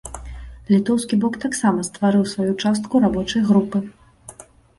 Літоўскі бок таксама стварыў сваю частку рабочай групы.